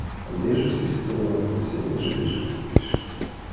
Ындыже Свистунов кӱсенже гыч луктеш.